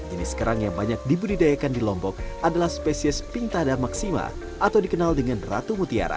ini sekarang yang banyak dibudidayakan di lombok adalah spesies pintada maksima atau dikenal dengan ratu mutiara